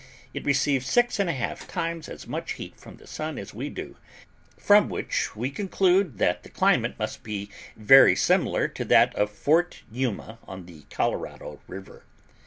It receives six and a half times as much heat from the Sun as we do; from which we conclude that the climate must be very similar to that of Fort Yuma, on the Colorado River.